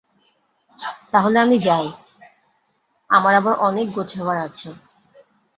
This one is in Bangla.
তা হলে আমি যাই, আমার আবার অনেক গোছাবার আছে।